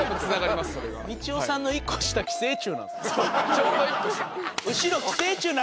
ちょうど１個下。